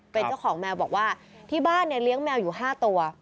เป็นเจ้าของแมวบอกว่าที่บ้านเนี่ยเลี้ยงแมวอยู่๕ตัว